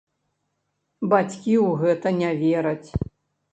Бацькі ў гэта не вераць.